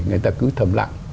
người ta cứ thầm lặng